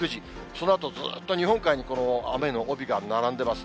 そのあとずっと日本海にこの雨の帯が並んでます。